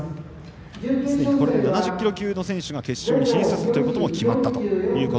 すでに、これで７０キロ級同士の選手が決勝に進出することが決まったと。